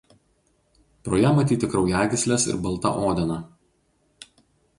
Pro ją matyti kraujagyslės ir balta odena.